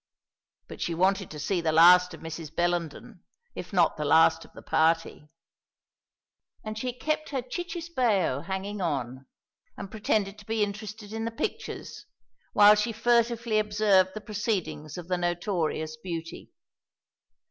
But she wanted to see the last of Mrs. Bellenden, if not the last of the party; and she kept her cicisbeo hanging on, and pretended to be interested in the pictures, while she furtively observed the proceedings of the notorious beauty.